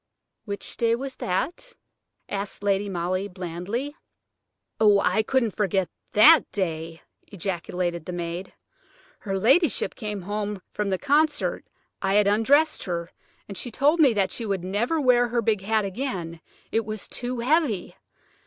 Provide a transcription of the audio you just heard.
"Which day was that?" asked Lady Molly, blandly. "Oh! I couldn't forget that day," ejaculated the maid; "her ladyship came home from the concert–I had undressed her, and she told me that she would never wear her big hat again–it was too heavy.